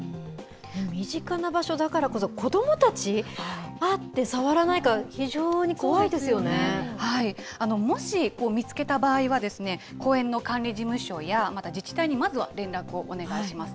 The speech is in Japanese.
身近な場所だからこそ、子どもたち、あって触らないか非常にもし、見つけた場合は、公園の管理事務所や、また自治体にまずは連絡をお願いします。